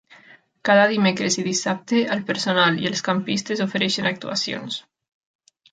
Cada dimecres i dissabte el personal i els campistes ofereixen actuacions.